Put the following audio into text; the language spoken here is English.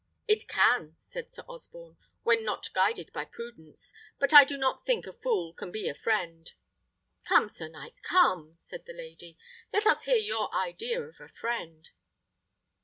"It can," said Sir Osborne, "when not guided by prudence. But I do not think a fool can be a friend." "Come, sir knight, come!" said the lady; "let us hear your idea of a friend."